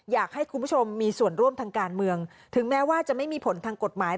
อยากให้คุณผู้ชมมีส่วนร่วมทางการเมืองถึงแม้ว่าจะไม่มีผลทางกฎหมาย